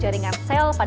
terakhir cek suhu